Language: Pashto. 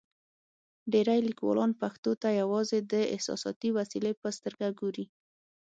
ډېری لیکوالان پښتو ته یوازې د احساساتي وسیلې په سترګه ګوري.